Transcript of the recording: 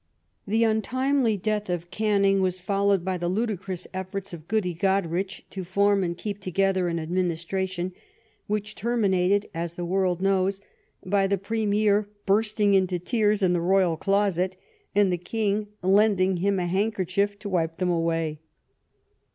The untimely death of Canning was followed by the ludicrous efforts of " Goody " Goderich to form and keep together an administration, which terminated, as the world knows, by the Premier bursting into tears in the royal closet, and the King lending him a handkerchief to wipe them away.